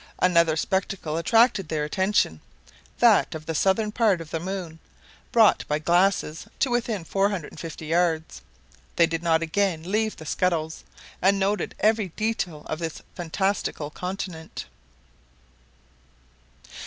Another spectacle attracted their attention, that of the southern part of the moon, brought by the glasses to within 450 yards. They did not again leave the scuttles, and noted every detail of this fantastical continent.